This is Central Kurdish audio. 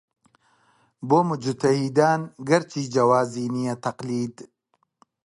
بۆ موجتەهیدان گەرچی جەوازی نییە تەقلید